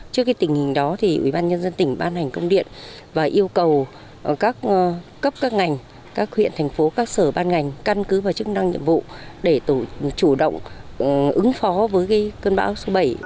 trước tình hình đó ubnd tỉnh ban hành công điện và yêu cầu các cấp các ngành các huyện thành phố các sở ban ngành căn cứ vào chức năng nhiệm vụ để chủ động ứng phó với cơn bão số bảy